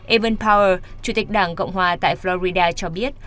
evn power chủ tịch đảng cộng hòa tại florida cho biết